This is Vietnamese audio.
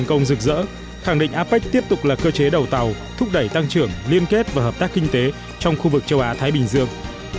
khẳng định apec tiếp tục là cơ chế đầu tàu thúc đẩy tăng trưởng liên kết và hợp tác kinh tế trong khu vực châu á thái bình dương